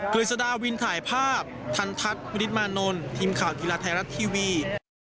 กฤษฎาวินถ่ายภาพทันทัศน์วิริตมานนท์ทีมข่าวกีฬาไทยรัฐทีวี